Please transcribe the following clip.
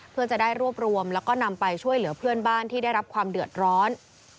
เพื่อจะได้รวบรวมแล้วก็นำไปช่วยเหลือเพื่อนบ้านที่ได้รับความเดือดร้อน